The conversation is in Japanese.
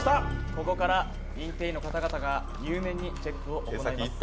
ここから認定員の方々が入念にチェックしていきます。